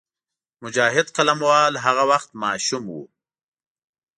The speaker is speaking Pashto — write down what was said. مجاهد قلموال هغه وخت ماشوم وو.